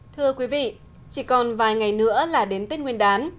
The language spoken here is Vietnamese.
thưa quý vị chỉ còn vài ngày nữa là đến tết nguyên đán